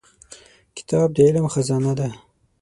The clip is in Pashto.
کتاب د علم خزانه ده.